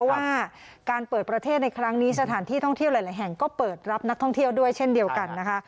ว่าการเปิดประเทศในครั้งนี้สถานที่ท่องเที่ยวหลายแห่งก็เปิดรับนักท่องเที่ยวด้วยเช่นเดียวกันนะคะ